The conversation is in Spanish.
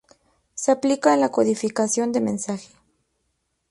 Se aplica en la codificación de mensaje.